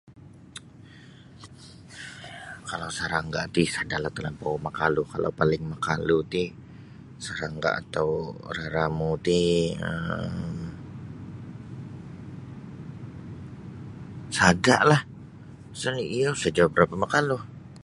Kalau sarangga ti sada la talampau makalu kalau paling makalu ti sarangga atau raramu ti[um] sadala pasal iyo isa nini barapa makalu.